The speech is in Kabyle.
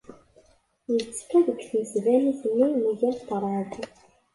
Yettekka deg tmesbanit-nni mgal ṭṭraḍ.